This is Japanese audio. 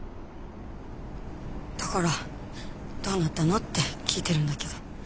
だからどうなったのって聞いてるんだけど。